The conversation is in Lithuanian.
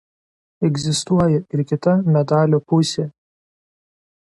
Egzistuoja ir kita medalio pusė.